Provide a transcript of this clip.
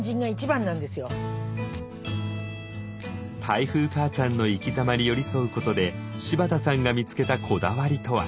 台風かあちゃんの生きざまに寄り添うことで柴田さんが見つけたこだわりとは？